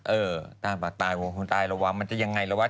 เออตายหัวคนตายหรือว่ามันจะยังไงหรือว่า